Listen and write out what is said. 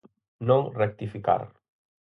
Non rectificar.